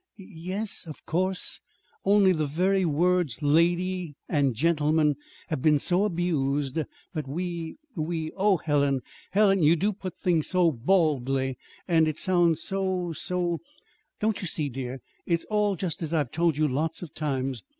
"Y yes, of course; only the very words 'lady' and 'gentleman' have been so abused that we we Oh, Helen, Helen, you do put things so baldly, and it sounds so so Don't you see, dear? It's all just as I've told you lots of times.